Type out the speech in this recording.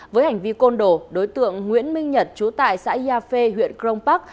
với hành vi côn đồ đối tượng nguyễn minh nhật chú tại xã gia phê huyện crong park